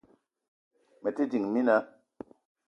Me te ding, mina